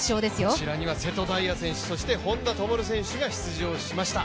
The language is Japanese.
こちらには瀬戸大也選手、本多灯選手が出場しました。